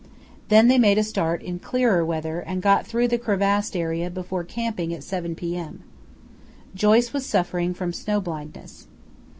Then they made a start in clearer weather and got through the crevassed area before camping at 7 p.m. Joyce was suffering from snow blindness.